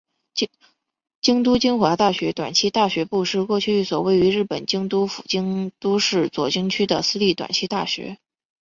京都精华大学短期大学部是过去一所位于日本京都府京都市左京区的私立短期大学。